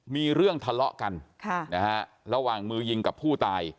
มีเรื่องทะเลาะกันระหว่างมือยิงกับผู้ตาย